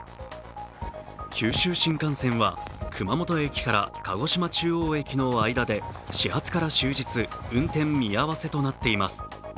九州新幹線は、熊本駅から鹿児島中央駅の間で始発から終日運転見合わせとなっています。